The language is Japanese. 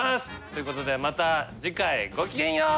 ということでまた次回ごきげんよう！